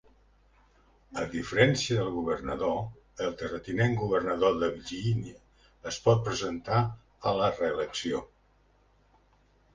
A diferència del governador, el terratinent governador de Virgínia es pot presentar a la reelecció.